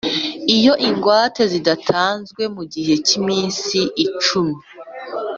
Iyo ingwate zidatanzwe mu gihe cy’iminsi icumi